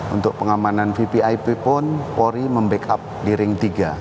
untuk pengamanan vvip pun polri membackup di ring tiga